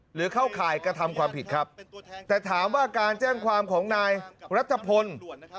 หรือเข้าข่ายกระทำความผิดครับแต่ถามว่าการแจ้งความของนายรัฐพล